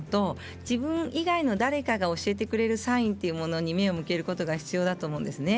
自分以外の誰かが教えてくれるサインに目を向けることが大事だと思うんですね。